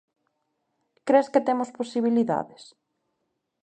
Cres que temos posibilidades?